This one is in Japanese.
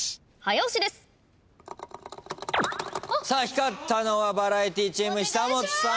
光ったのはバラエティチーム久本さんです。